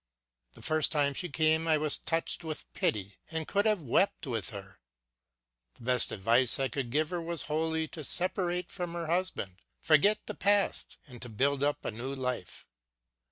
The first time she came I was touched with pity and could have wept with her. The best advice I could give her was wholly to separate from her husband, forget the past, and to build up a new life.